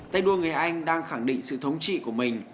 tay đua người anh đang khẳng định sự thống trị của mình